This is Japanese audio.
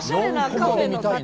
４コマで見たいな。